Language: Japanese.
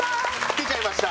来ちゃいました。